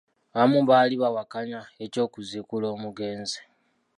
Abamu baali bawakanya eky'okuziikula omugenzi.